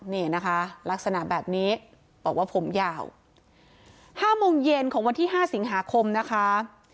นี่นะคะลักษณะแบบนี้บอกว่าผมยาว๕โมงเย็นของวันที่๕สิงหาคมนะคะ